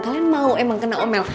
kalian mau emang kena omel